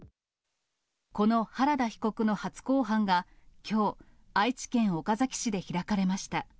この原田被告の初公判がきょう、愛知県岡崎市で開かれました。